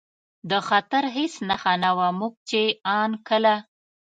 د خطر هېڅ نښه نه وه، موږ چې ان کله.